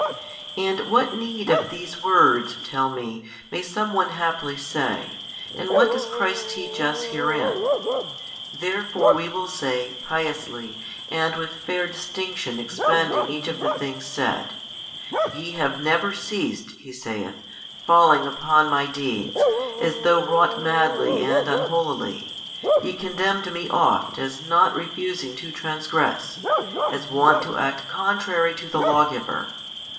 And what need of these words (tell me) may some one haply say, and what does Christ teach us herein? Therefore we will say, piously and with fair distinction expanding each of the things said; Ye have never ceased (He saith) falling upon My Deeds, as though wrought madly and un holily, ye condemned Me oft as not refusing to transgress, as wont to act contrary to the Lawgiver.